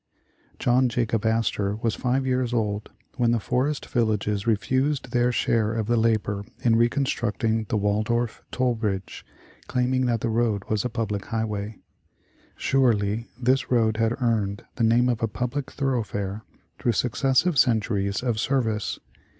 John Jacob Astor was ^yq^ years old when the for est villages refused their share of the labor in recon structing the Waldorf toll bridge, claiming that the road was a public highway. Surely this road had earned the name of a public thoroughfare through suc cessive centuries of service.